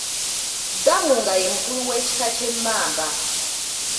Gabunga ye mukulu w’ekika ky’e Mmamba.